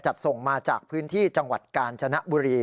ส่งมาจากพื้นที่จังหวัดกาญจนบุรี